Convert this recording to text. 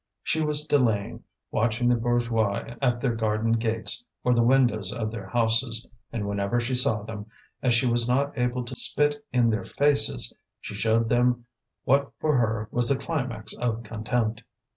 She was delaying, watching the bourgeois at their garden gates or the windows of their houses; and whenever she saw them, as she was not able to spit in their faces, she showed them what for her was the climax of contempt.